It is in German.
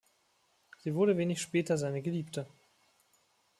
Sie wurde wenig später seine Geliebte.